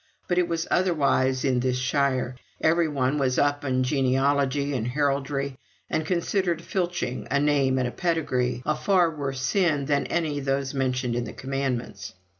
But it was otherwise in shire. Everyone was up in genealogy and heraldry, and considered filching a name and a pedigree a far worse sin than any of those mentioned on the Commandments.